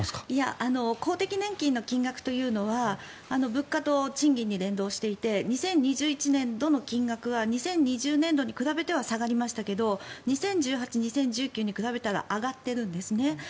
公的年金の金額というのは物価と賃金に連動していて２０２１年度の金額は２０２０年度に比べては下がりましたけれど２０１８年２０１９年に比べたら上がっているんですね。